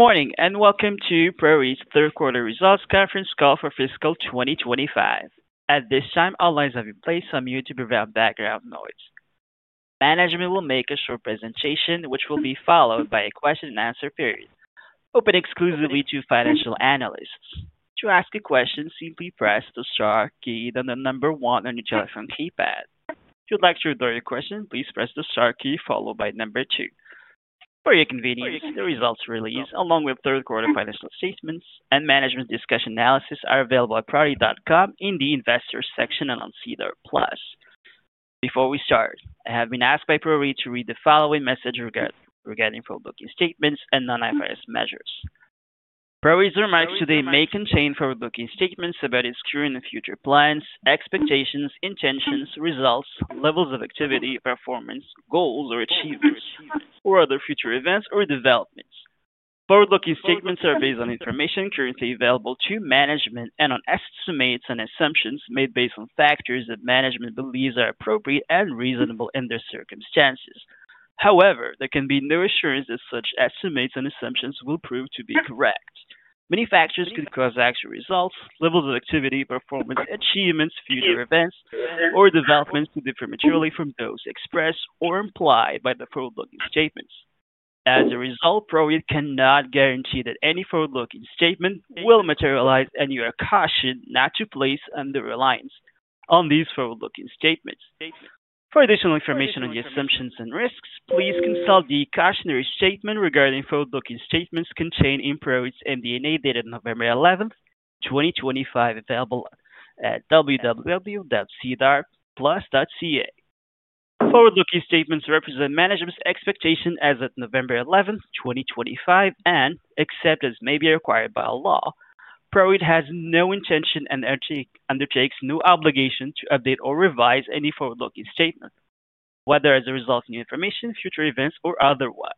Morning and welcome to PRO Real Estate Investment Trust Third Quarter Results Conference call for Fiscal 2025. At this time, all lines have been placed on mute to prevent background noise. Management will make a short presentation, which will be followed by a question-and-answer period open exclusively to financial analysts. To ask a question, simply press the star key then the number one on your telephone keypad. If you'd like to withdraw your question, please press the star key followed by number two. For your convenience, the results release, along with third quarter financial statements and Management Discussion and Analysis, are available at proreit.com in the investors section and on SEDAR Plus. Before we start, I have been asked by PRO Real Estate Investment Trust to read the following message regarding forward-looking statements and non-IFRS measures. Investment Trust's remarks today may contain forward-looking statements about its current and future plans, expectations, intentions, results, levels of activity, performance, goals, or achievements, or other future events or developments. Forward-looking statements are based on information currently available to management and on estimates and assumptions made based on factors that management believes are appropriate and reasonable in their circumstances. However, there can be no assurance that such estimates and assumptions will prove to be correct. Many factors could cause actual results, levels of activity, performance, achievements, future events, or developments to differ materially from those expressed or implied by the forward-looking statements. As a result, PRO Real Estate Investment Trust cannot guarantee that any forward-looking statement will materialize, and you are cautioned not to place undue reliance on these forward-looking statements. For additional information on the assumptions and risks, please consult the cautionary statement regarding forward-looking statements contained in PROREIT's MD&A dated November 11, 2025, available at www.cedarplus.ca. Forward-looking statements represent management's expectation as of November 11, 2025, and, except as may be required by law, PROREIT has no intention and undertakes no obligation to update or revise any forward-looking statement, whether as a result of new information, future events, or otherwise.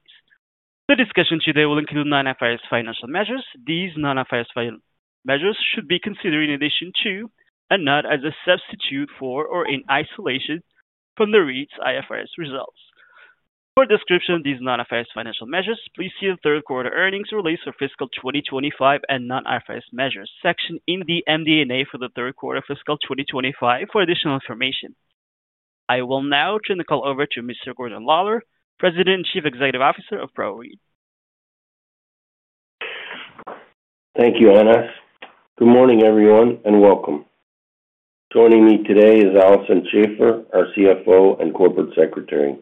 The discussion today will include non-IFRS financial measures. These non-IFRS financial measures should be considered in addition to and not as a substitute for or in isolation from the REIT's IFRS results. For description of these non-IFRS financial measures, please see the third quarter earnings release for fiscal 2025 and non-IFRS measures section in the MD&A for the third quarter of fiscal 2025 for additional information. I will now turn the call over to Mr. Gordon Lawlor, President and Chief Executive Officer of PROREIT. Thank you, Ana. Good morning, everyone, and welcome. Joining me today is Alison Schafer, our CFO and Corporate Secretary.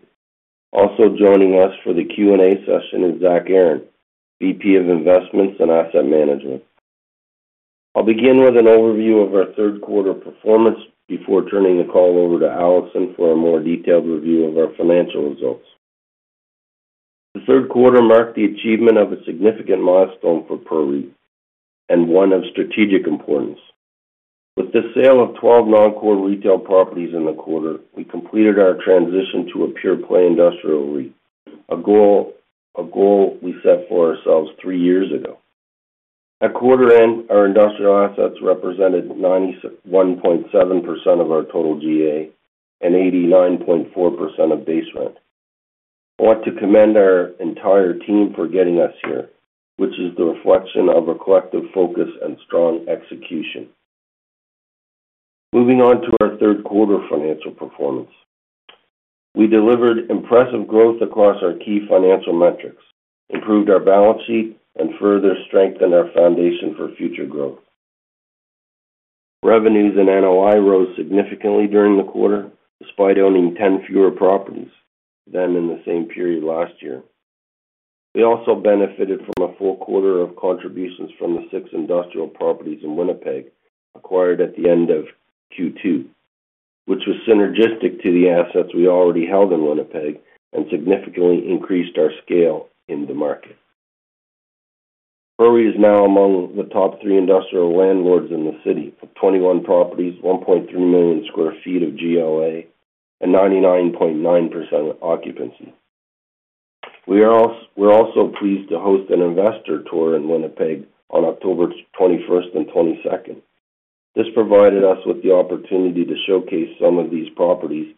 Also joining us for the Q&A session is Zach Aaron, VP of Investments and Asset Management. I'll begin with an overview of our third quarter performance before turning the call over to Alison for a more detailed review of our financial results. The third quarter marked the achievement of a significant milestone for PROREIT and one of strategic importance. With the sale of 12 non-core retail properties in the quarter, we completed our transition to a pure-play industrial REIT, a goal we set for ourselves three years ago. At quarter end, our industrial assets represented 91.7% of our total GLA and 89.4% of base rent. I want to commend our entire team for getting us here, which is the reflection of a collective focus and strong execution. Moving on to our third quarter financial performance, we delivered impressive growth across our key financial metrics, improved our balance sheet, and further strengthened our foundation for future growth. Revenues and NOI rose significantly during the quarter, despite owning 10 fewer properties than in the same period last year. We also benefited from a full quarter of contributions from the six industrial properties in Winnipeg acquired at the end of Q2, which was synergistic to the assets we already held in Winnipeg and significantly increased our scale in the market. PROREIT is now among the top three industrial landlords in the city, with 21 properties, 1.3 million sq ft of GLA, and 99.9% occupancy. We are also pleased to host an investor tour in Winnipeg on October 21 and 22. This provided us with the opportunity to showcase some of these properties,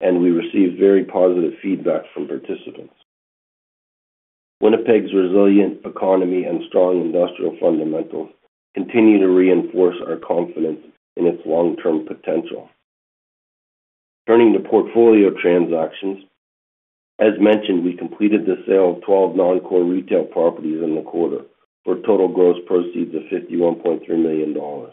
and we received very positive feedback from participants. Winnipeg's resilient economy and strong industrial fundamentals continue to reinforce our confidence in its long-term potential. Turning to portfolio transactions, as mentioned, we completed the sale of 12 non-core retail properties in the quarter for total gross proceeds of 51.3 million dollars.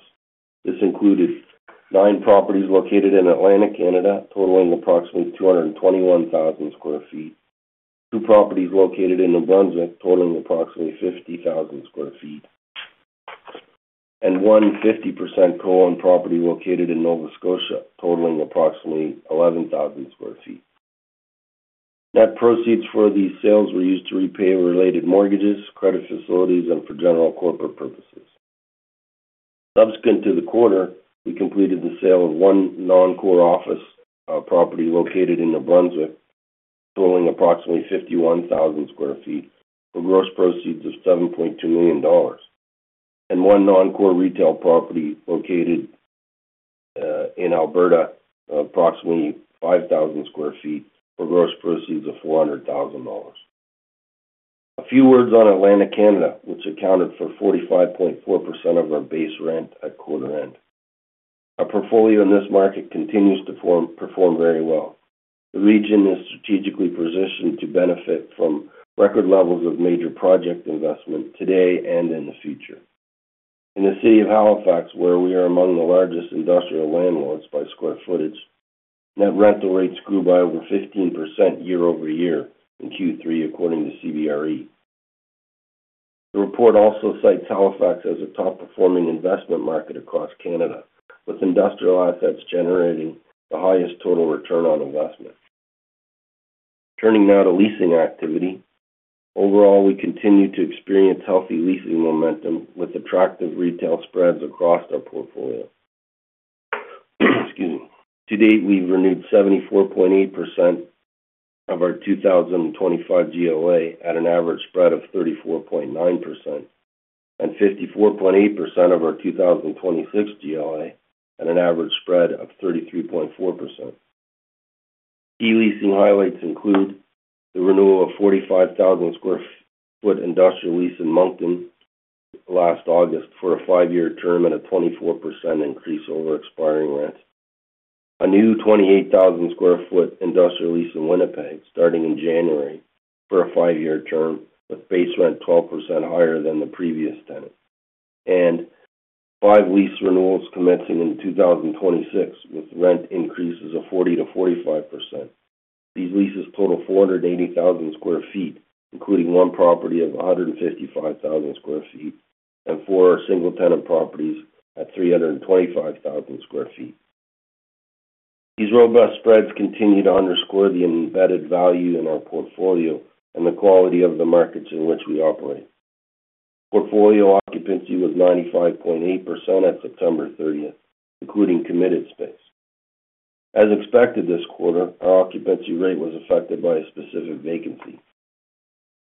This included nine properties located in Atlantic Canada, totaling approximately 221,000 sq ft, two properties located in New Brunswick, totaling approximately 50,000 sq ft, and one 50% co-owned property located in Nova Scotia, totaling approximately 11,000 sq ft. Net proceeds for these sales were used to repay related mortgages, credit facilities, and for general corporate purposes. Subsequent to the quarter, we completed the sale of one non-core office property located in New Brunswick, totaling approximately 51,000 sq ft for gross proceeds of 7.2 million dollars, and one non-core retail property located in Alberta, approximately 5,000 sq ft for gross proceeds of 400,000 dollars. A few words on Atlantic Canada, which accounted for 45.4% of our base rent at quarter end. Our portfolio in this market continues to perform very well. The region is strategically positioned to benefit from record levels of major project investment today and in the future. In the city of Halifax, where we are among the largest industrial landlords by square footage, net rental rates grew by over 15% year-over-year in Q3, according to CBRE. The report also cites Halifax as a top-performing investment market across Canada, with industrial assets generating the highest total return on investment. Turning now to leasing activity, overall, we continue to experience healthy leasing momentum with attractive retail spreads across our portfolio. Excuse me. To date, we have renewed 74.8% of our 2025 GLA at an average spread of 34.9%, and 54.8% of our 2026 GLA at an average spread of 33.4%. Key leasing highlights include the renewal of a 45,000 sq ft industrial lease in Moncton last August for a five-year term and a 24% increase over expiring rent, a new 28,000 sq ft industrial lease in Winnipeg starting in January for a five-year term with base rent 12% higher than the previous tenant, and five lease renewals commencing in 2026 with rent increases of 40%-45%. These leases total 480,000 sq ft, including one property of 155,000 sq ft and four single-tenant properties at 325,000 sq ft. These robust spreads continue to underscore the embedded value in our portfolio and the quality of the markets in which we operate. Portfolio occupancy was 95.8% at September 30, including committed space. As expected this quarter, our occupancy rate was affected by a specific vacancy.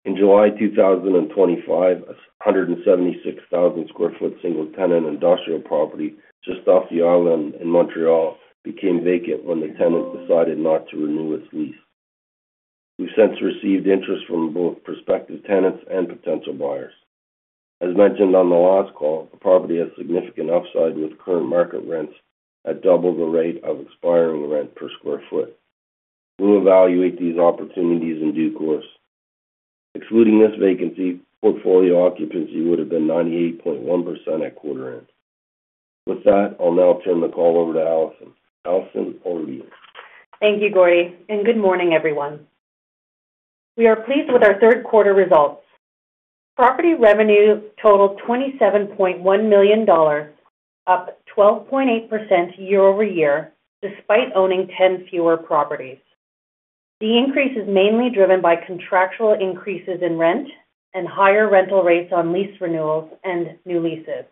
In July 2025, a 176,000 sq ft single-tenant industrial property just off the island in Montreal became vacant when the tenant decided not to renew its lease. We've since received interest from both prospective tenants and potential buyers. As mentioned on the last call, the property has significant upside with current market rents at double the rate of expiring rent per sq ft. We'll evaluate these opportunities in due course. Excluding this vacancy, portfolio occupancy would have been 98.1% at quarter end. With that, I'll now turn the call over to Alison. Alison or Leah? Thank you, Gordon. Good morning, everyone. We are pleased with our third quarter results. Property revenue totaled 27.1 million dollars, up 12.8% year-over-year despite owning 10 fewer properties. The increase is mainly driven by contractual increases in rent and higher rental rates on lease renewals and new leases.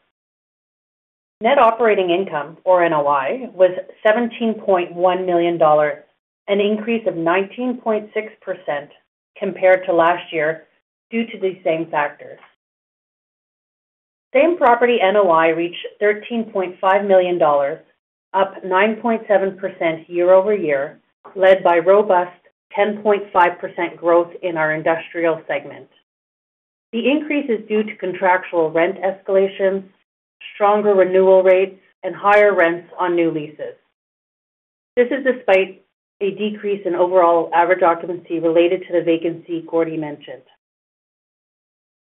Net operating income, or NOI, was 17.1 million dollars, an increase of 19.6% compared to last year due to the same factors. Same property NOI reached 13.5 million dollars, up 9.7% year-over-year, led by robust 10.5% growth in our industrial segment. The increase is due to contractual rent escalations, stronger renewal rates, and higher rents on new leases. This is despite a decrease in overall average occupancy related to the vacancy Gordon mentioned.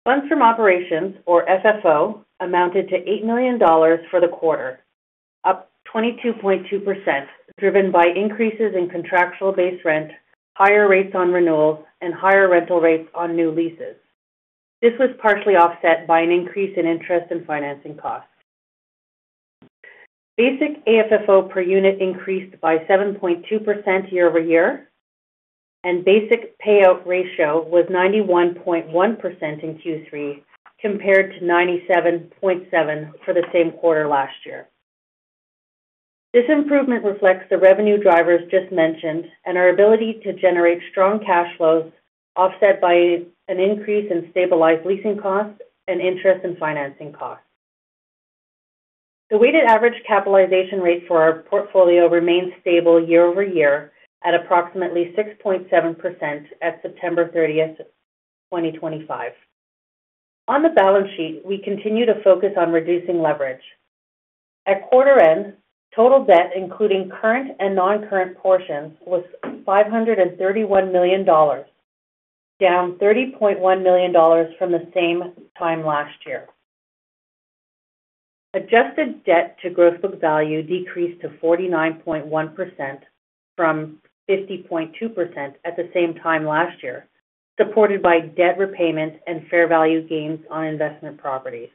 Funds from operations, or FFO, amounted to 8 million dollars for the quarter, up 22.2%, driven by increases in contractual base rent, higher rates on renewals, and higher rental rates on new leases. This was partially offset by an increase in interest and financing costs. Basic AFFO per unit increased by 7.2% year-over-year, and basic payout ratio was 91.1% in Q3 compared to 97.7% for the same quarter last year. This improvement reflects the revenue drivers just mentioned and our ability to generate strong cash flows offset by an increase in stabilized leasing costs and interest and financing costs. The weighted average capitalization rate for our portfolio remains stable year-over-year at approximately 6.7% at September 30, 2025. On the balance sheet, we continue to focus on reducing leverage. At quarter end, total debt, including current and non-current portions, was 531 million dollars, down 30.1 million dollars from the same time last year. Adjusted debt to gross book value decreased to 49.1% from 50.2% at the same time last year, supported by debt repayment and fair value gains on investment properties.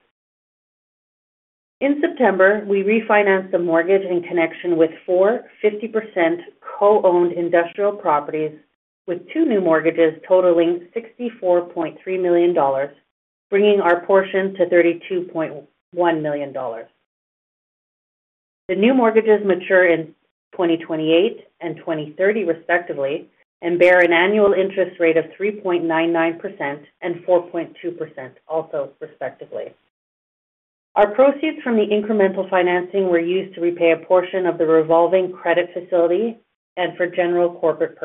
In September, we refinanced a mortgage in connection with four 50% co-owned industrial properties, with two new mortgages totaling 64.3 million dollars, bringing our portion to 32.1 million dollars. The new mortgages mature in 2028 and 2030, respectively, and bear an annual interest rate of 3.99% and 4.2%, also respectively. Our proceeds from the incremental financing were used to repay a portion of the revolving credit facility and for general corporate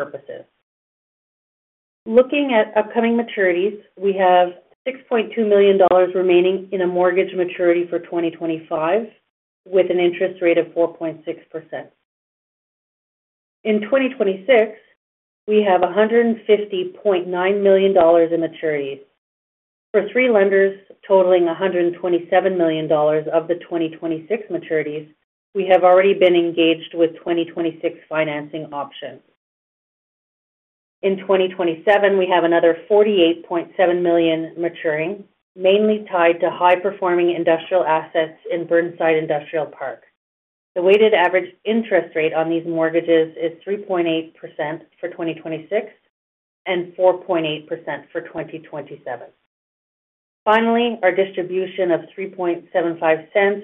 purposes. Looking at upcoming maturities, we have 6.2 million dollars remaining in a mortgage maturity for 2025, with an interest rate of 4.6%. In 2026, we have 150.9 million dollars in maturities. For three lenders totaling 127 million dollars of the 2026 maturities, we have already been engaged with 2026 financing options. In 2027, we have another 48.7 million maturing, mainly tied to high-performing industrial assets in Burnside Industrial Park. The weighted average interest rate on these mortgages is 3.8% for 2026 and 4.8% for 2027. Finally, our distribution of 0.0375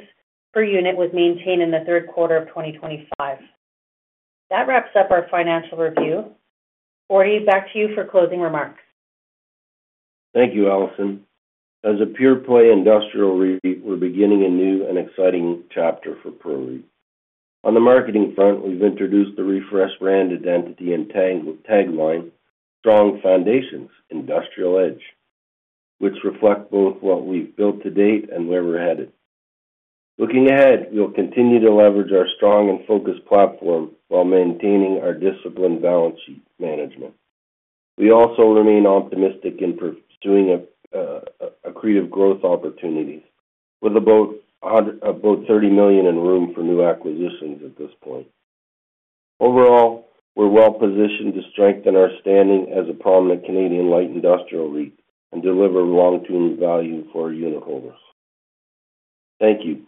per unit was maintained in the third quarter of 2025. That wraps up our financial review. Gordon, back to you for closing remarks. Thank you, Alison. As a pure-play industrial REIT, we're beginning a new and exciting chapter for PROREIT. On the marketing front, we've introduced the refreshed brand identity and tagline, "Strong Foundations, Industrial Edge," which reflects both what we've built to date and where we're headed. Looking ahead, we'll continue to leverage our strong and focused platform while maintaining our disciplined balance sheet management. We also remain optimistic in pursuing accretive growth opportunities, with about 30 million in room for new acquisitions at this point. Overall, we're well positioned to strengthen our standing as a prominent Canadian light industrial REIT and deliver long-term value for our unitholders. Thank you.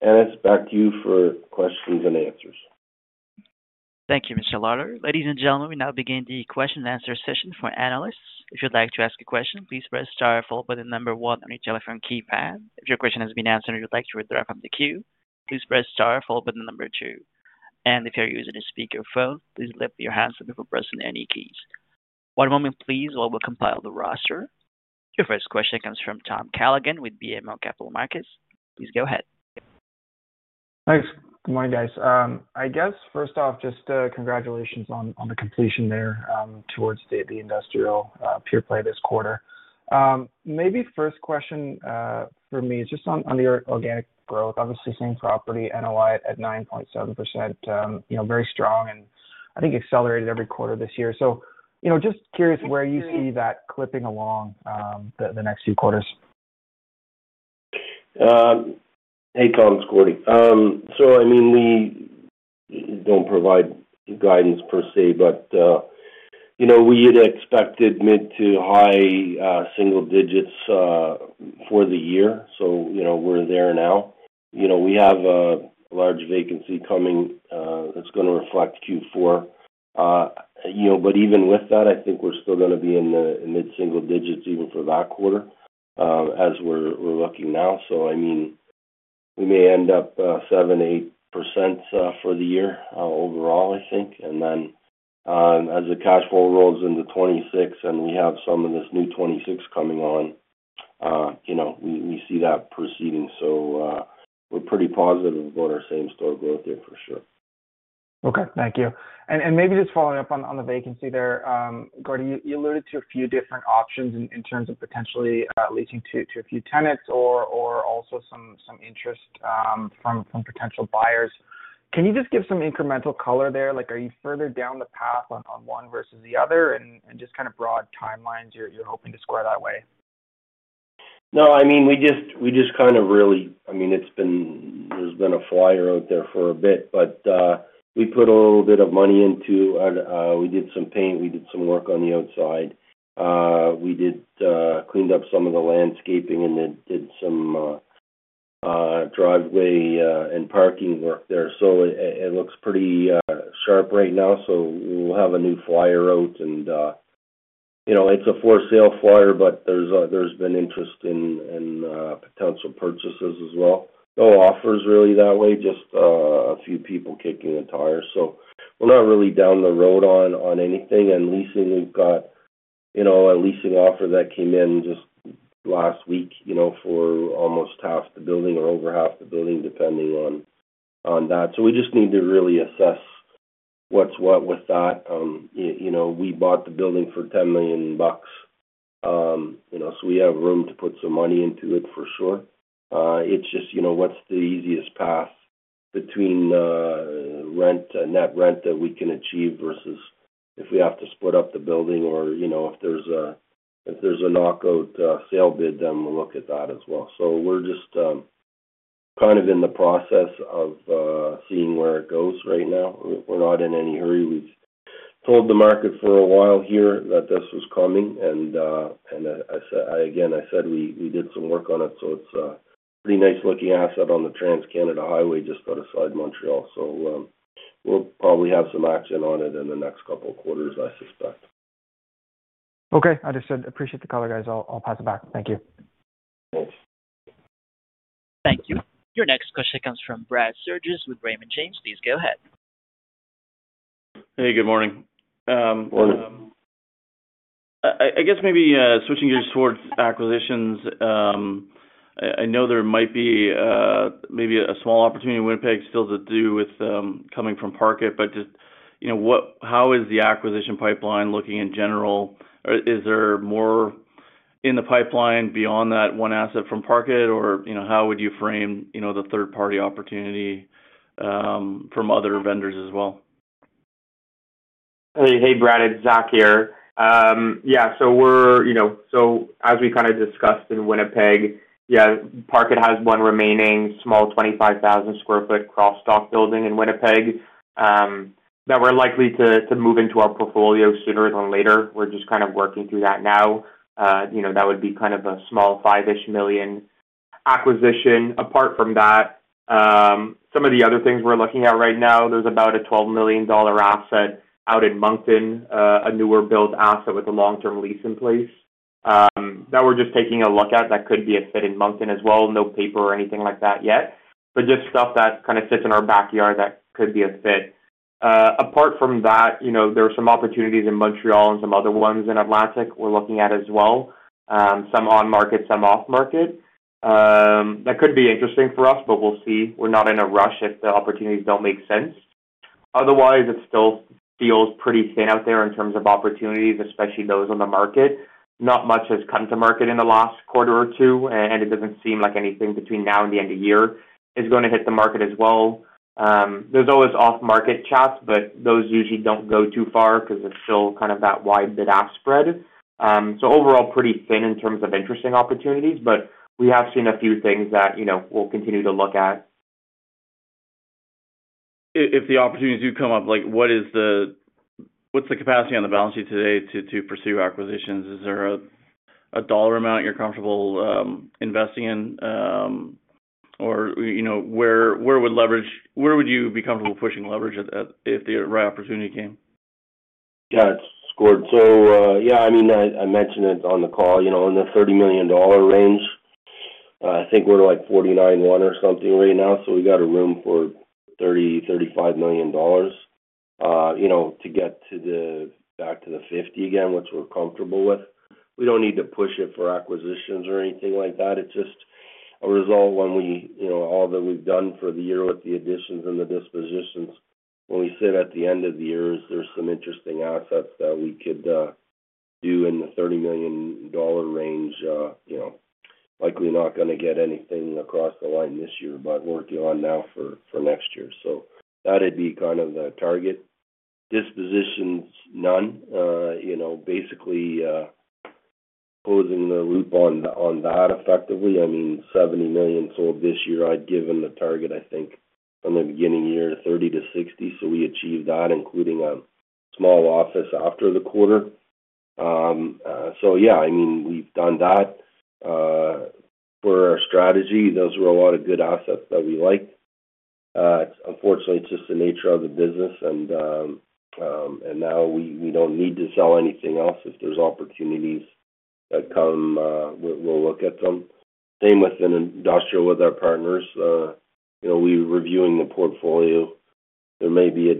It's back to you for questions and answers. Thank you, Mr. Lawlor. Ladies and gentlemen, we now begin the question and answer session for analysts. If you'd like to ask a question, please press star followed by the number one on your telephone keypad. If your question has been answered and you'd like to withdraw from the queue, please press star followed by the number two. If you're using a speakerphone, please lift your handset before pressing any keys. One moment, please, while we compile the roster. Your first question comes from Tom Calligan with BMO Capital Markets. Please go ahead. Thanks. Good morning, guys. I guess, first off, just congratulations on the completion there towards the industrial pure-play this quarter. Maybe first question for me is just on the organic growth. Obviously, same property NOI at 9.7%, very strong, and I think accelerated every quarter this year. Just curious where you see that clipping along the next few quarters. Hey, Tom, it's Gordon. I mean, we don't provide guidance per se, but we had expected mid to high single digits for the year, so we're there now. We have a large vacancy coming that's going to reflect Q4. Even with that, I think we're still going to be in the mid-single digits even for that quarter as we're looking now. I mean, we may end up 7%-8% for the year overall, I think. As the cash flow rolls into 2026 and we have some of this new 2026 coming on, we see that proceeding. We're pretty positive about our same story going through for sure. Okay. Thank you. Maybe just following up on the vacancy there, Gordon, you alluded to a few different options in terms of potentially leasing to a few tenants or also some interest from potential buyers. Can you just give some incremental color there? Are you further down the path on one versus the other? Just kind of broad timelines, you're hoping to square that way? No. I mean, we just kind of really, I mean, there's been a flyer out there for a bit, but we put a little bit of money into, we did some paint, we did some work on the outside, we cleaned up some of the landscaping, and did some driveway and parking work there. It looks pretty sharp right now. We will have a new flyer out. It is a for-sale flyer, but there's been interest in potential purchases as well. No offers really that way, just a few people kicking the tires. We are not really down the road on anything. In leasing, we've got a leasing offer that came in just last week for almost half the building or over half the building, depending on that. We just need to really assess what's what with that. We bought the building for 10 million bucks, so we have room to put some money into it for sure. It's just what's the easiest path between net rent that we can achieve versus if we have to split up the building or if there's a knockout sale bid, then we'll look at that as well. We're just kind of in the process of seeing where it goes right now. We're not in any hurry. We've told the market for a while here that this was coming. I said we did some work on it, so it's a pretty nice-looking asset on the TransCanada Highway just outside Montreal. We'll probably have some action on it in the next couple of quarters, I suspect. Okay. Understood. Appreciate the call, guys. I'll pass it back. Thank you. Thanks. Thank you. Your next question comes from Brad Serges with Raymond James. Please go ahead. Hey, good morning. Morning. I guess maybe switching gears towards acquisitions, I know there might be maybe a small opportunity in Winnipeg still to do with coming from Parkett, but how is the acquisition pipeline looking in general? Is there more in the pipeline beyond that one asset from Parkett, or how would you frame the third-party opportunity from other vendors as well? Hey, Brad, it's Zach here. Yeah. As we kind of discussed in Winnipeg, Parkett has one remaining small 25,000 sq ft cross-dock building in Winnipeg that we're likely to move into our portfolio sooner than later. We're just kind of working through that now. That would be kind of a small 5 million acquisition. Apart from that, some of the other things we're looking at right now, there's about a 12 million dollar asset out in Moncton, a newer built asset with a long-term lease in place that we're just taking a look at that could be a fit in Moncton as well. No paper or anything like that yet, but just stuff that kind of sits in our backyard that could be a fit. Apart from that, there are some opportunities in Montreal and some other ones in Atlantic we're looking at as well, some on-market, some off-market. That could be interesting for us, but we'll see. We're not in a rush if the opportunities don't make sense. Otherwise, it still feels pretty thin out there in terms of opportunities, especially those on the market. Not much has come to market in the last quarter or two, and it doesn't seem like anything between now and the end of year is going to hit the market as well. There's always off-market chats, but those usually don't go too far because it's still kind of that wide bid-ask spread. Overall, pretty thin in terms of interesting opportunities, but we have seen a few things that we'll continue to look at. If the opportunities do come up, what's the capacity on the balance sheet today to pursue acquisitions? Is there a dollar amount you're comfortable investing in, or where would you be comfortable pushing leverage if the right opportunity came? Yeah, it's scored. So yeah, I mean, I mentioned it on the call. In the 30 million dollar range, I think we're like 49-1 or something right now. So we've got room for 30 million-35 million dollars to get back to the 50 again, which we're comfortable with. We don't need to push it for acquisitions or anything like that. It's just a result when all that we've done for the year with the additions and the dispositions, when we sit at the end of the year, there's some interesting assets that we could do in the 30 million dollar range. Likely not going to get anything across the line this year, but we're working on now for next year. That'd be kind of the target. Dispositions, none. Basically closing the loop on that effectively. I mean, 70 million sold this year. I'd given the target, I think, from the beginning of the year 30 million-60 million. We achieved that, including a small office after the quarter. Yeah, I mean, we've done that for our strategy. Those were a lot of good assets that we liked. Unfortunately, it's just the nature of the business, and now we do not need to sell anything else. If there are opportunities that come, we'll look at them. Same with industrial with our partners. We're reviewing the portfolio. There may be a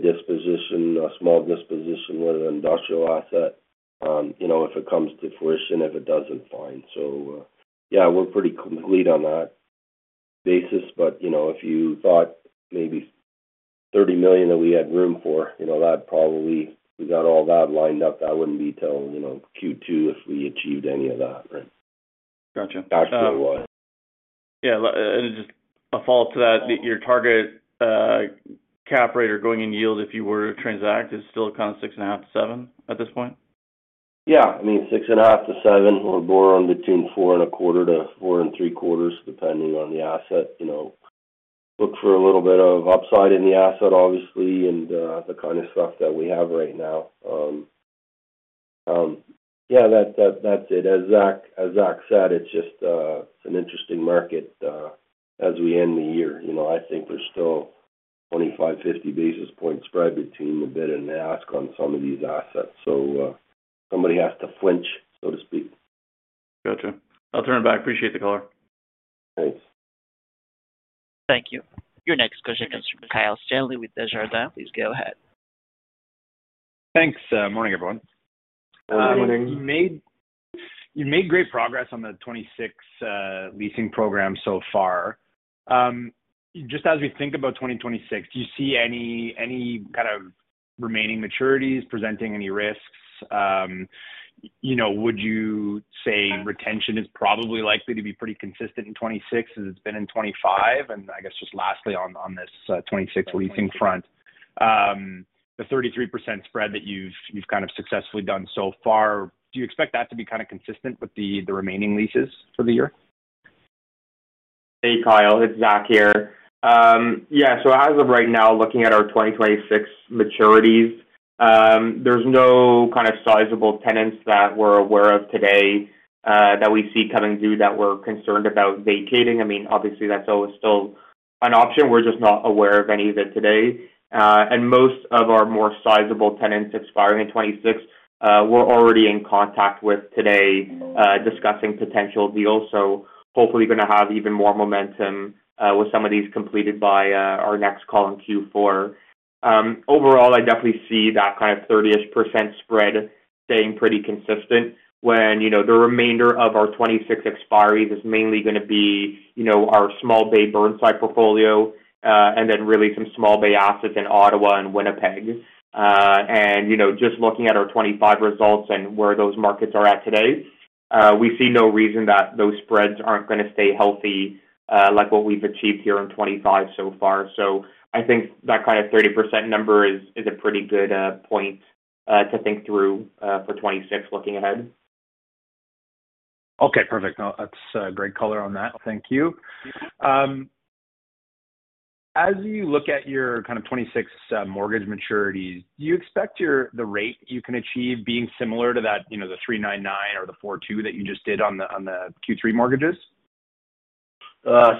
small disposition with an industrial asset if it comes to fruition. If it does not, fine. Yeah, we're pretty complete on that basis. If you thought maybe 30 million that we had room for, that probably we got all that lined up. That would not be till Q2 if we achieved any of that, right? Gotcha. Actually, it was. Yeah. And just a follow-up to that, your target cap rate or going in yield if you were to transact is still kind of 6.5-7% at this point? Yeah. I mean, 6.5-7. We'll bore on between 4 and a quarter to 4 and three quarters, depending on the asset. Look for a little bit of upside in the asset, obviously, and the kind of stuff that we have right now. Yeah, that's it. As Zach said, it's just an interesting market as we end the year. I think there's still 25-50 basis points spread between the bid and the ask on some of these assets. Somebody has to flinch, so to speak. Gotcha. I'll turn it back. Appreciate the call. Thanks. Thank you. Your next question comes from Kyle Stanley with Desjardins. Please go ahead. Thanks. Morning, everyone. Morning. You've made great progress on the '26 leasing program so far. Just as we think about 2026, do you see any kind of remaining maturities presenting any risks? Would you say retention is probably likely to be pretty consistent in '26 as it's been in '25? I guess just lastly on this '26 leasing front, the 33% spread that you've kind of successfully done so far, do you expect that to be kind of consistent with the remaining leases for the year? Hey, Kyle. It's Zach here. Yeah. As of right now, looking at our 2026 maturities, there's no kind of sizable tenants that we're aware of today that we see coming due that we're concerned about vacating. I mean, obviously, that's always still an option. We're just not aware of any of it today. Most of our more sizable tenants expiring in 2026, we're already in contact with today discussing potential deals. Hopefully going to have even more momentum with some of these completed by our next call in Q4. Overall, I definitely see that kind of 30% spread staying pretty consistent when the remainder of our 2026 expiry is mainly going to be our small bay Burnside portfolio and then really some small bay assets in Ottawa and Winnipeg. Just looking at our 2025 results and where those markets are at today, we see no reason that those spreads are not going to stay healthy like what we have achieved here in 2025 so far. I think that kind of 30% number is a pretty good point to think through for 2026 looking ahead. Okay. Perfect. That's a great color on that. Thank you. As you look at your kind of 2026 mortgage maturities, do you expect the rate you can achieve being similar to that, the 3.99% or the 4.2% that you just did on the Q3 mortgages? That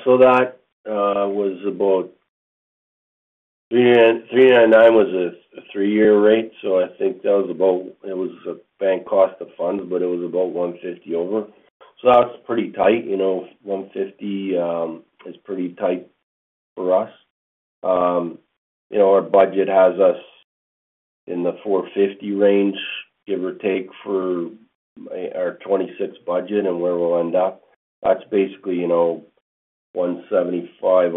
was about 3.99, was a three-year rate. I think that was about, it was a bank cost of funds, but it was about 150 over. That is pretty tight. 150 is pretty tight for us. Our budget has us in the 450 range, give or take, for our 2026 budget and where we will end up. That is basically 175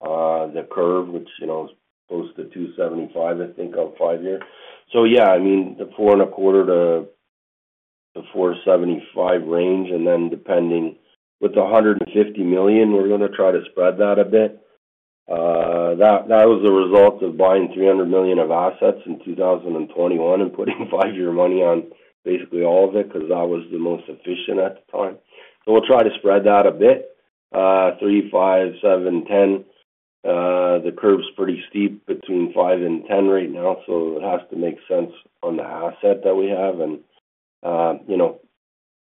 over the curve, which is close to 275, I think, on five-year. I mean, the 4.25-4.75 range. Depending, with the 150 million, we are going to try to spread that a bit. That was the result of buying 300 million of assets in 2021 and putting five-year money on basically all of it because that was the most efficient at the time. We will try to spread that a bit. 3, 5, 7, 10. The curve's pretty steep between 5 and 10 right now. It has to make sense on the asset that we have.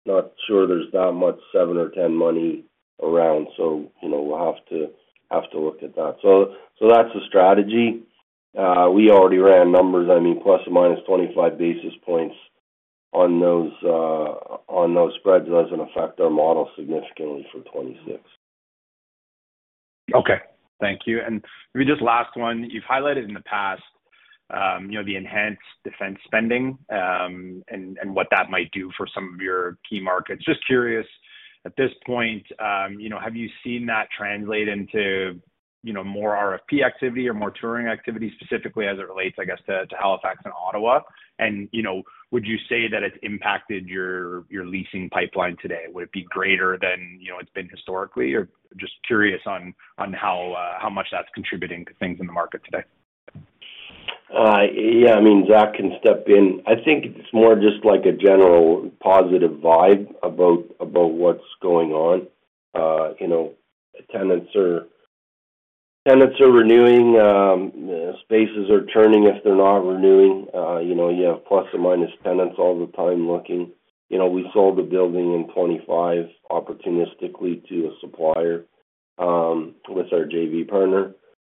Not sure there's that much 7 or 10 money around. We'll have to look at that. That's the strategy. We already ran numbers. I mean, plus or minus 25 basis points on those spreads does not affect our model significantly for 2026. Okay. Thank you. Maybe just last one. You've highlighted in the past the enhanced defense spending and what that might do for some of your key markets. Just curious, at this point, have you seen that translate into more RFP activity or more touring activity specifically as it relates, I guess, to Halifax and Ottawa? Would you say that it's impacted your leasing pipeline today? Would it be greater than it's been historically? Just curious on how much that's contributing to things in the market today. Yeah. I mean, Zach can step in. I think it's more just like a general positive vibe about what's going on. Tenants are renewing. Spaces are turning if they're not renewing. You have plus or minus tenants all the time looking. We sold the building in 2025 opportunistically to a supplier with our JV partner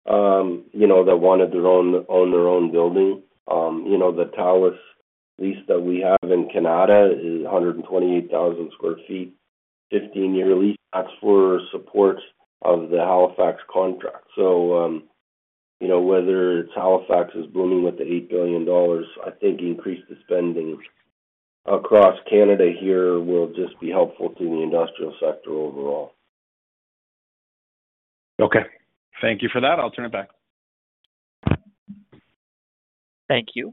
that wanted to own their own building. The towelist lease that we have in Kanata is 128,000 sq ft. Fifteen-year lease. That's for support of the Halifax contract. Whether it's Halifax is blooming with the 8 billion dollars, I think increase the spending across Canada here will just be helpful to the industrial sector overall. Okay. Thank you for that. I'll turn it back. Thank you.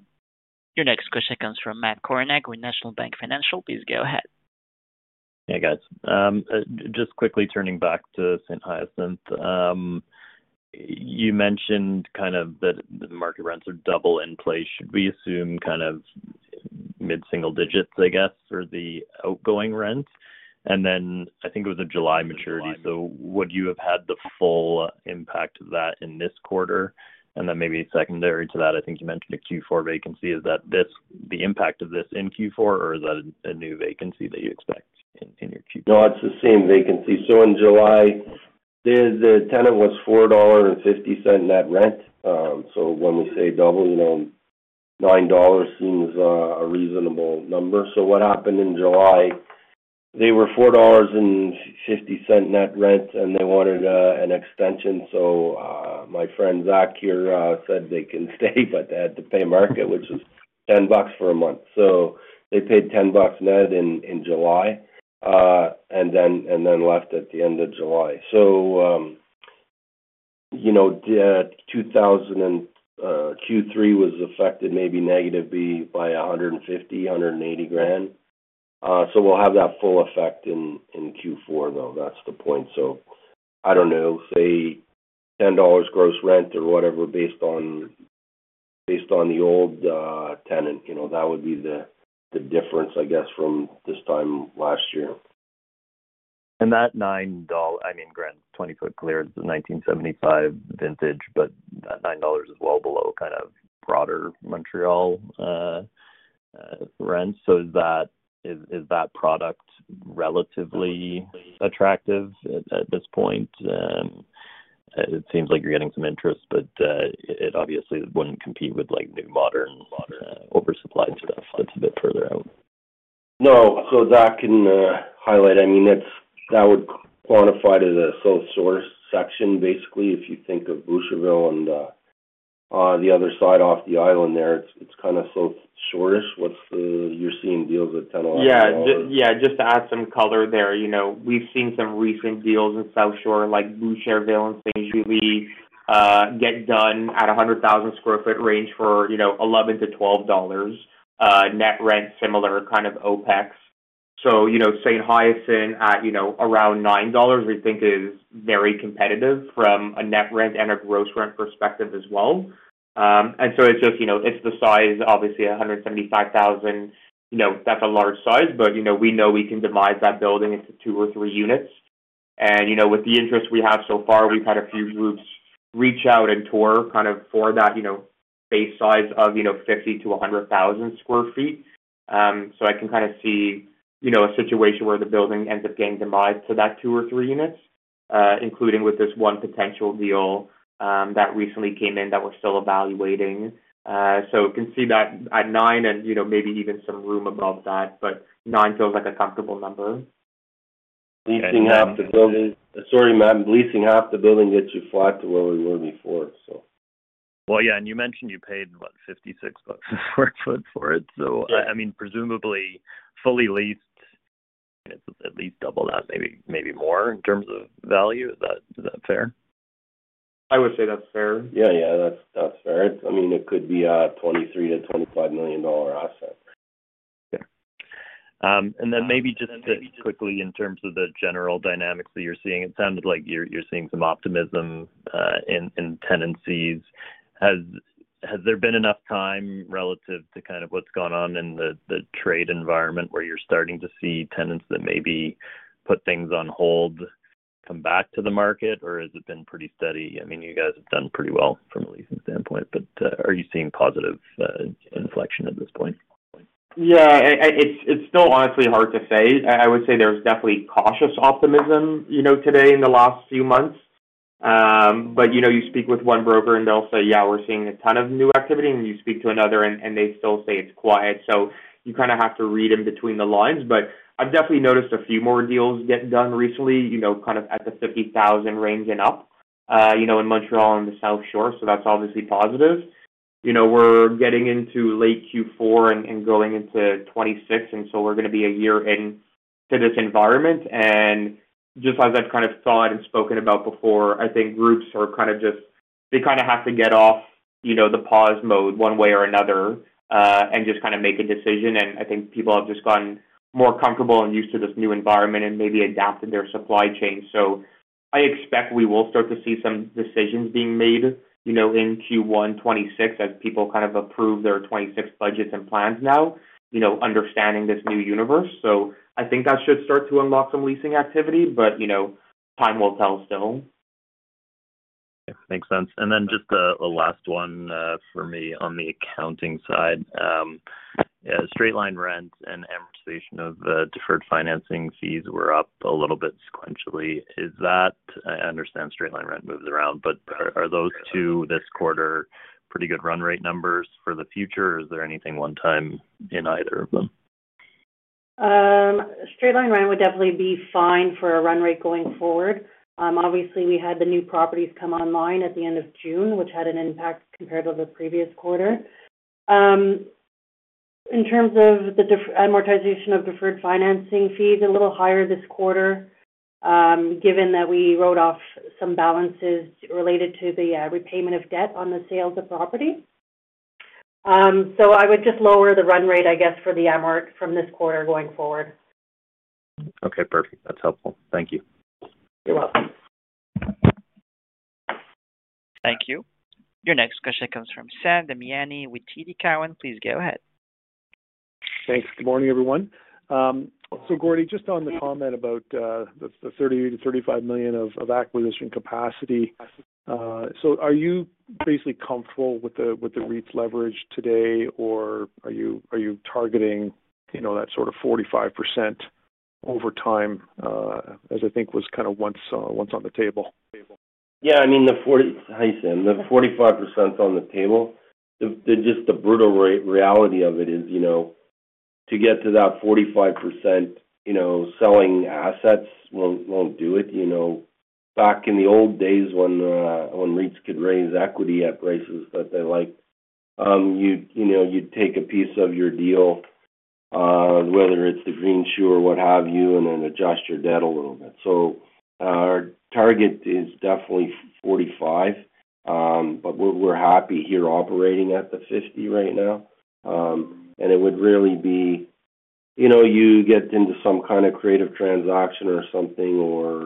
Your next question comes from Matt Korneg with National Bank Financial. Please go ahead. Hey, guys. Just quickly turning back to Saint-Hyacinthe. You mentioned kind of that the market rents are double in place. Should we assume kind of mid-single digits, I guess, for the outgoing rent? I think it was a July maturity. Would you have had the full impact of that in this quarter? Maybe secondary to that, I think you mentioned a Q4 vacancy. Is that the impact of this in Q4, or is that a new vacancy that you expect in your Q4? No, it's the same vacancy. In July, the tenant was $4.50 net rent. When we say double, $9 seems a reasonable number. What happened in July was they were $4.50 net rent, and they wanted an extension. My friend Zach here said they can stay, but they had to pay market, which was $10 for a month. They paid $10 net in July and then left at the end of July. Q3 was affected maybe negatively by $150,000-$180,000. We will have that full effect in Q4, though. That is the point. I do not know. Say $10 gross rent or whatever based on the old tenant. That would be the difference, I guess, from this time last year. That $9, I mean, grand, 20-foot clearance, the 1975 vintage, but that $9 is well below kind of broader Montreal rents. Is that product relatively attractive at this point? It seems like you're getting some interest, but it obviously wouldn't compete with new modern oversupplied stuff that's a bit further out. No. So Zach can highlight. I mean, that would quantify to the South Shore section, basically. If you think of Boucherville and the other side off the island there, it's kind of South Shore-ish. What's the you're seeing deals at 10-11%? Yeah. Yeah. Just to add some color there. We've seen some recent deals in South Shore like Boucherville and Saint-Julie get done at 100,000 sq ft range for 11-12 dollars. Net rent, similar kind of OpEx. Saint-Hyacinthe at around 9 dollars, we think, is very competitive from a net rent and a gross rent perspective as well. It is just the size, obviously, 175,000. That's a large size, but we know we can divide that building into two or three units. With the interest we have so far, we've had a few groups reach out and tour for that base size of 50,000-100,000 sq ft. I can kind of see a situation where the building ends up getting demised to that two or three units, including with this one potential deal that recently came in that we're still evaluating. You can see that at 9 and maybe even some room above that. 9 feels like a comfortable number. Leasing half the building, sorry, ma'am. Leasing half the building gets you flat to where we were before, so. Yeah. You mentioned you paid, what, $56 a sq ft for it. I mean, presumably fully leased, it's at least double that, maybe more in terms of value. Is that fair? I would say that's fair. Yeah. Yeah. That's fair. I mean, it could be a 23 million-25 million dollar asset. Yeah. Maybe just quickly in terms of the general dynamics that you're seeing, it sounded like you're seeing some optimism in tenancies. Has there been enough time relative to kind of what's gone on in the trade environment where you're starting to see tenants that maybe put things on hold come back to the market? Has it been pretty steady? I mean, you guys have done pretty well from a leasing standpoint, but are you seeing positive inflection at this point? Yeah. It's still honestly hard to say. I would say there's definitely cautious optimism today in the last few months. You speak with one broker and they'll say, "Yeah, we're seeing a ton of new activity," and you speak to another and they still say it's quiet. You kind of have to read in between the lines. I've definitely noticed a few more deals get done recently kind of at the 50,000 range and up in Montreal and the South Shore. That's obviously positive. We're getting into late Q4 and going into 2026. We're going to be a year into this environment. Just as I've kind of thought and spoken about before, I think groups are kind of just, they kind of have to get off the pause mode one way or another and just kind of make a decision. I think people have just gotten more comfortable and used to this new environment and maybe adapted their supply chain. I expect we will start to see some decisions being made in Q1 2026 as people kind of approve their 2026 budgets and plans now, understanding this new universe. I think that should start to unlock some leasing activity, but time will tell still. Okay. Makes sense. Just the last one for me on the accounting side. Straight line rent and amortization of deferred financing fees were up a little bit sequentially. Is that—I understand straight line rent moves around, but are those two this quarter pretty good run rate numbers for the future? Or is there anything one time in either of them? Straight line rent would definitely be fine for a run rate going forward. Obviously, we had the new properties come online at the end of June, which had an impact compared to the previous quarter. In terms of the amortization of deferred financing fees, a little higher this quarter given that we wrote off some balances related to the repayment of debt on the sales of property. I would just lower the run rate, I guess, for the amor from this quarter going forward. Okay. Perfect. That's helpful. Thank you. You're welcome. Thank you. Your next question comes from Sam Damiani with TD Cowen. Please go ahead. Thanks. Good morning, everyone. Gordon, just on the comment about the 30 million-35 million of acquisition capacity. Are you basically comfortable with the REIT's leverage today, or are you targeting that sort of 45% over time as I think was kind of once on the table? Yeah. I mean, the 40, how do you say? The 45% on the table, just the brutal reality of it is to get to that 45%, selling assets won't do it. Back in the old days when REITs could raise equity at prices that they liked, you'd take a piece of your deal, whether it's the green shoe or what have you, and then adjust your debt a little bit. Our target is definitely 45%, but we're happy here operating at the 50% right now. It would really be you get into some kind of creative transaction or something or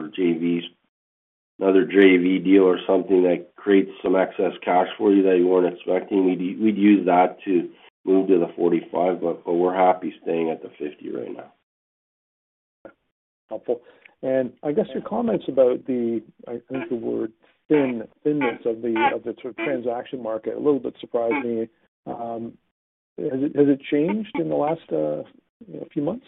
another JV deal or something that creates some excess cash for you that you weren't expecting, we'd use that to move to the 45%. We're happy staying at the 50% right now. Okay. Helpful. I guess your comments about the, I think the word thinness of the transaction market, a little bit surprised me. Has it changed in the last few months?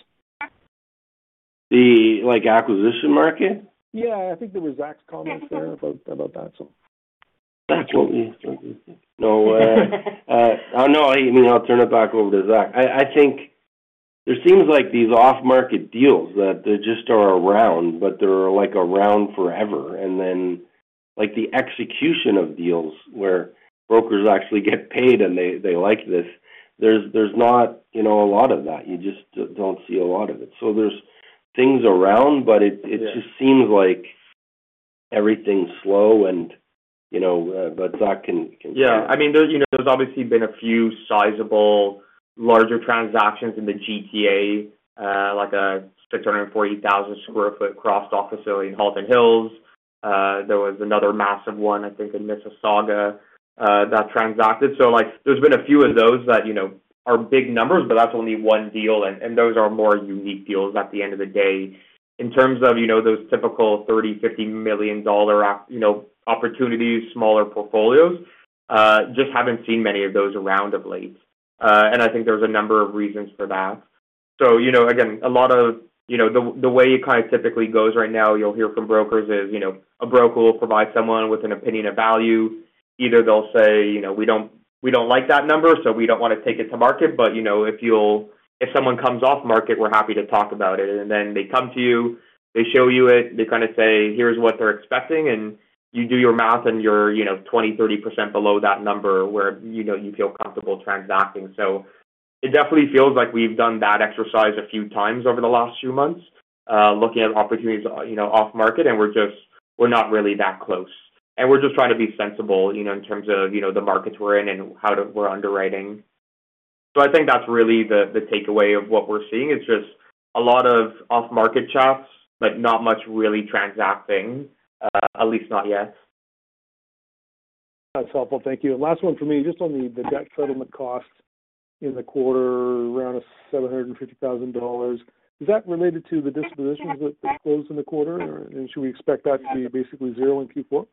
The acquisition market? Yeah. I think there was Zach's comment there about that, so. Absolutely. No way. Oh, no. I mean, I'll turn it back over to Zach. I think there seems like these off-market deals that just are around, but they're around forever. Then the execution of deals where brokers actually get paid and they like this, there's not a lot of that. You just don't see a lot of it. There are things around, but it just seems like everything's slow. Zach can say. Yeah. I mean, there's obviously been a few sizable larger transactions in the GTA, like a 640,000 sq ft cross-dock facility in Halton Hills. There was another massive one, I think, in Mississauga that transacted. There's been a few of those that are big numbers, but that's only one deal. Those are more unique deals at the end of the day. In terms of those typical $30 million-$50 million opportunities, smaller portfolios, just haven't seen many of those around of late. I think there's a number of reasons for that. Again, a lot of the way it kind of typically goes right now, you'll hear from brokers is a broker will provide someone with an opinion of value. Either they'll say, "We don't like that number, so we don't want to take it to market." If someone comes off market, we're happy to talk about it. They come to you, they show you it, they kind of say, "Here's what they're expecting." You do your math and you're 20-30% below that number where you feel comfortable transacting. It definitely feels like we've done that exercise a few times over the last few months, looking at opportunities off market, and we're not really that close. We're just trying to be sensible in terms of the markets we're in and how we're underwriting. I think that's really the takeaway of what we're seeing. It's just a lot of off-market chats, but not much really transacting, at least not yet. That's helpful. Thank you. Last one for me. Just on the debt settlement cost in the quarter, around 750,000 dollars. Is that related to the dispositions that closed in the quarter? Should we expect that to be basically zero in Q4?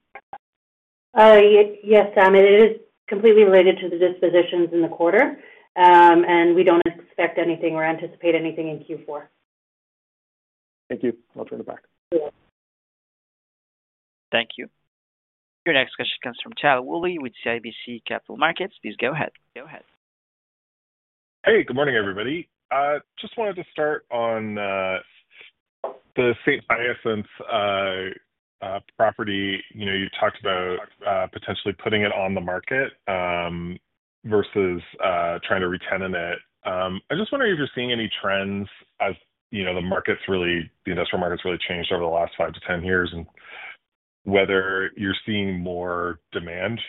Yes, Sam. It is completely related to the dispositions in the quarter. We do not expect anything or anticipate anything in Q4. Thank you. I'll turn it back. Thank you. Your next question comes from Chad Woolley with CIBC Capital Markets. Please go ahead. Hey. Good morning, everybody. Just wanted to start on the Saint-Hyacinthe property. You talked about potentially putting it on the market versus trying to re-tenant it. I just wonder if you're seeing any trends as the markets, really the industrial markets, really changed over the last 5 to 10 years and whether you're seeing more demand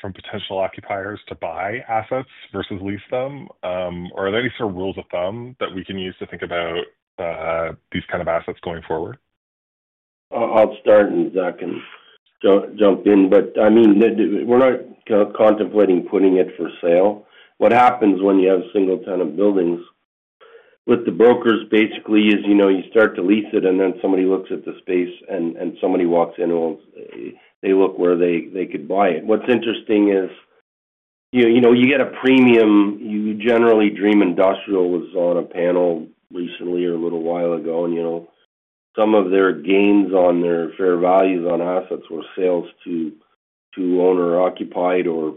from potential occupiers to buy assets versus lease them? Or are there any sort of rules of thumb that we can use to think about these kind of assets going forward? I'll start and Zach can jump in. I mean, we're not contemplating putting it for sale. What happens when you have a single tenant building, what the brokers basically do is you start to lease it, and then somebody looks at the space and somebody walks in, they look where they could buy it. What's interesting is you get a premium. You generally dream industrial was on a panel recently or a little while ago, and some of their gains on their fair values on assets were sales to owner-occupied or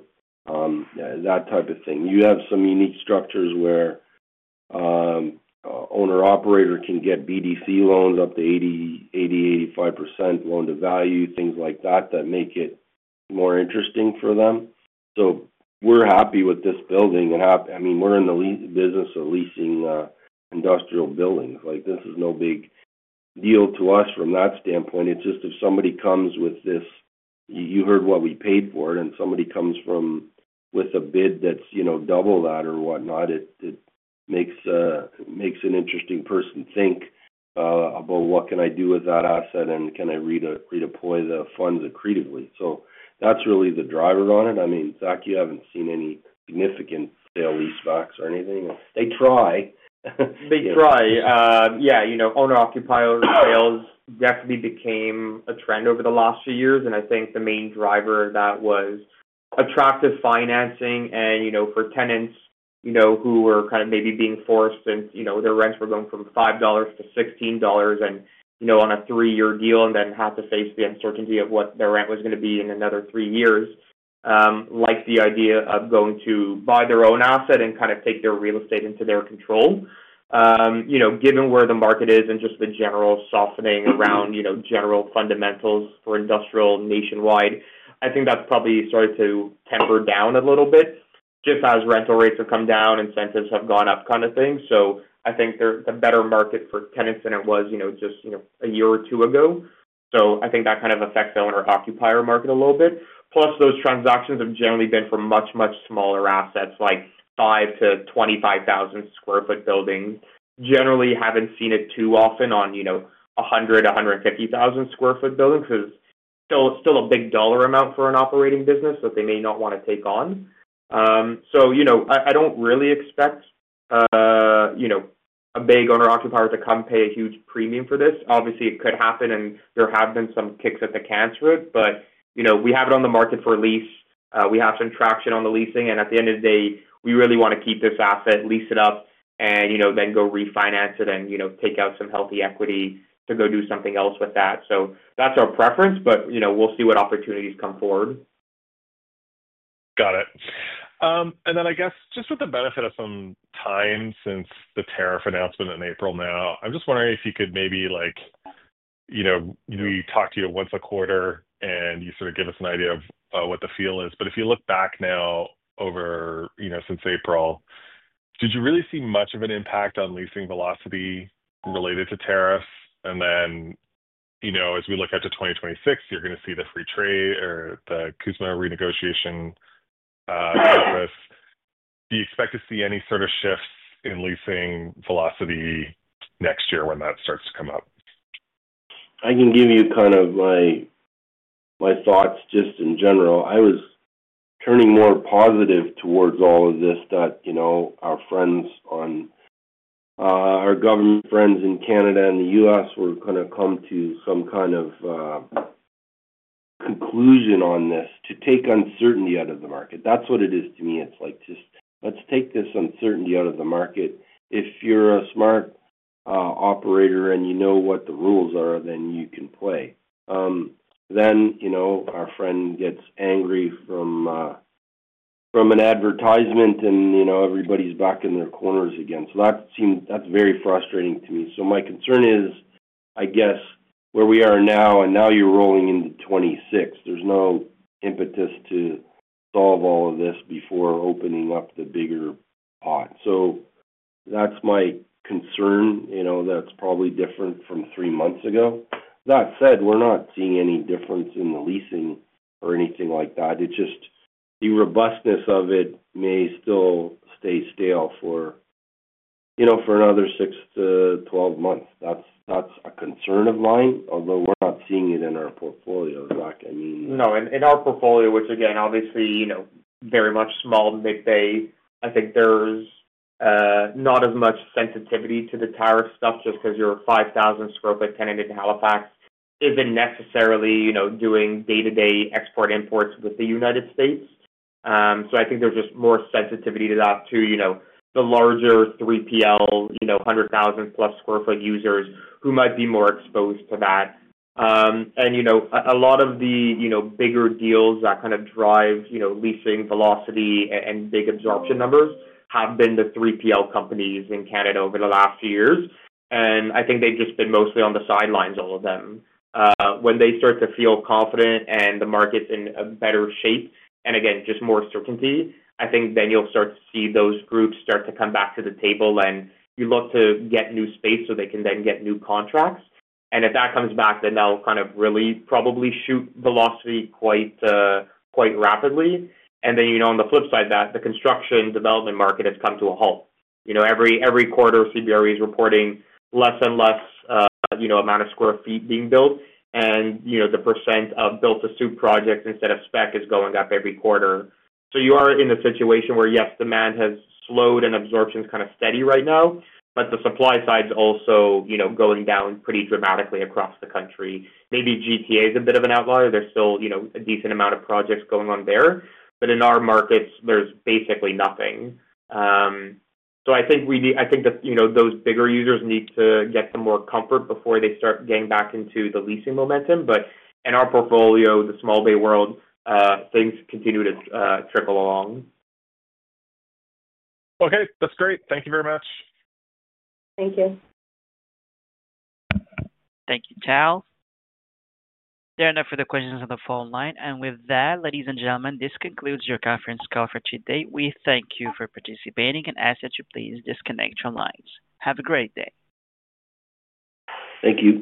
that type of thing. You have some unique structures where owner-operator can get BDC loans up to 80%-85% loan to value, things like that that make it more interesting for them. We're happy with this building. I mean, we're in the business of leasing industrial buildings. This is no big deal to us from that standpoint. It's just if somebody comes with this, "You heard what we paid for it," and somebody comes with a bid that's double that or whatnot, it makes an interesting person think about, "What can I do with that asset? And can I redeploy the funds accretively?" That is really the driver on it. I mean, Zach, you have not seen any significant sale lease backs or anything. They try. They try. Yeah. Owner-occupier sales definitely became a trend over the last few years. I think the main driver of that was attractive financing. For tenants who were kind of maybe being forced and their rents were going from $5 to $16 on a three-year deal and then had to face the uncertainty of what their rent was going to be in another three years, like the idea of going to buy their own asset and kind of take their real estate into their control. Given where the market is and just the general softening around general fundamentals for industrial nationwide, I think that has probably started to temper down a little bit just as rental rates have come down, incentives have gone up kind of thing. I think it is a better market for tenants than it was just a year or two ago. I think that kind of affects the owner-occupier market a little bit. Plus, those transactions have generally been for much, much smaller assets like 5-25 thousand sq ft buildings. Generally, have not seen it too often on 100-150 thousand sq ft buildings because it is still a big dollar amount for an operating business that they may not want to take on. I do not really expect a big owner-occupier to come pay a huge premium for this. Obviously, it could happen and there have been some kicks at the can through it. We have it on the market for lease. We have some traction on the leasing. At the end of the day, we really want to keep this asset, lease it up, and then go refinance it and take out some healthy equity to go do something else with that. That's our preference, but we'll see what opportunities come forward. Got it. I guess just with the benefit of some time since the tariff announcement in April now, I'm just wondering if you could maybe, we talk to you once a quarter and you sort of give us an idea of what the feel is. If you look back now over since April, did you really see much of an impact on leasing velocity related to tariffs? As we look at to 2026, you're going to see the free trade or the Kuzma renegotiation process. Do you expect to see any sort of shifts in leasing velocity next year when that starts to come up? I can give you kind of my thoughts just in general. I was turning more positive towards all of this that our friends on our government friends in Canada and the U.S. were going to come to some kind of conclusion on this to take uncertainty out of the market. That's what it is to me. It's like, "Just let's take this uncertainty out of the market. If you're a smart operator and you know what the rules are, then you can play." Then our friend gets angry from an advertisement and everybody's back in their corners again. That is very frustrating to me. My concern is, I guess, where we are now, and now you're rolling into 2026, there's no impetus to solve all of this before opening up the bigger pot. That is my concern. That is probably different from three months ago. That said, we're not seeing any difference in the leasing or anything like that. It's just the robustness of it may still stay stale for another 6-12 months. That's a concern of mine, although we're not seeing it in our portfolio, Zach. I mean. No. In our portfolio, which again, obviously, very much small, mid-bay, I think there's not as much sensitivity to the tariff stuff just because your 5,000 sq ft tenant in Halifax isn't necessarily doing day-to-day export imports with the United States. I think there's just more sensitivity to that to the larger 3PL, 100,000 plus sq ft users who might be more exposed to that. A lot of the bigger deals that kind of drive leasing velocity and big absorption numbers have been the 3PL companies in Canada over the last few years. I think they've just been mostly on the sidelines, all of them. When they start to feel confident and the market's in a better shape, and again, just more certainty, I think then you'll start to see those groups start to come back to the table and you look to get new space so they can then get new contracts. If that comes back, then they'll kind of really probably shoot velocity quite rapidly. On the flip side, the construction development market has come to a halt. Every quarter, CBRE is reporting less and less amount of square feet being built. The % of built-to-suit projects instead of spec is going up every quarter. You are in a situation where, yes, demand has slowed and absorption is kind of steady right now, but the supply side's also going down pretty dramatically across the country. Maybe GTA is a bit of an outlier. There's still a decent amount of projects going on there. In our markets, there's basically nothing. I think that those bigger users need to get some more comfort before they start getting back into the leasing momentum. In our portfolio, the small bay world, things continue to trickle along. Okay. That's great. Thank you very much. Thank you. Thank you, Chad. That is enough for the questions on the phone line. With that, ladies and gentlemen, this concludes your conference call for today. We thank you for participating and ask that you please disconnect your lines. Have a great day. Thank you.